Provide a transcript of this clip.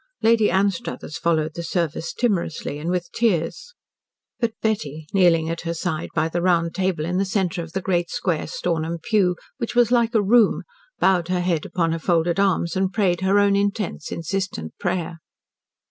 Lady Anstruthers followed the service timorously and with tears. But Betty, kneeling at her side, by the round table in the centre of the great square Stornham pew, which was like a room, bowed her head upon her folded arms, and prayed her own intense, insistent prayer.